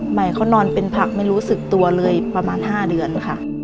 ใหม่เขานอนเป็นผักไม่รู้สึกตัวเลยประมาณ๕เดือนค่ะ